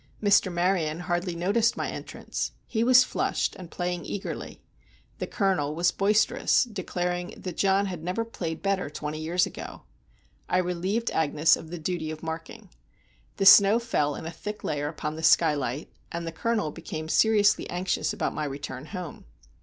Mr. Maryon hardly noticed my entrance; he was flushed, and playing eagerly; the Colonel was boisterous, declaring that John had never played better twenty years ago. I relieved Agnes of the duty of marking. The snow fell in a thick layer upon the skylight, and the Colonel became seriously anxious about my return home.